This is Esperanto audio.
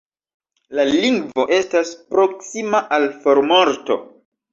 La lingvo estas proksima al formorto.